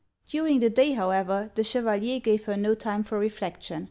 During the day, however, the Chevalier gave her no time for reflection.